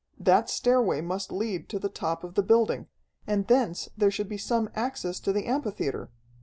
That stairway must lead to the top of the building, and thence there should be some access to the amphitheatre.